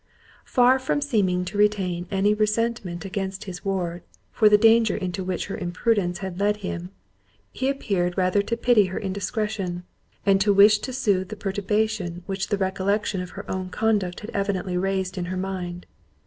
Far from seeming to retain any resentment against his ward, for the danger into which her imprudence had led him, he appeared rather to pity her indiscretion, and to wish to soothe the perturbation which the recollection of her own conduct had evidently raised in her mind.